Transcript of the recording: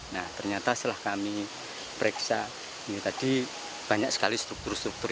nah ternyata setelah kami periksa ini tadi banyak sekali struktur struktur